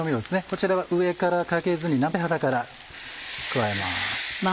こちらは上からかけずに鍋肌から加えます。